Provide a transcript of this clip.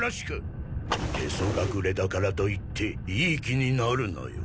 屁祖隠だからといっていい気になるなよ。